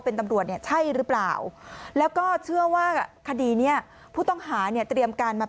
เป็นตำรวจเนี่ยใช่หรือเปล่าแล้วก็เชื่อว่าคดีเนี้ยผู้ต้องหาเนี่ยเตรียมการมา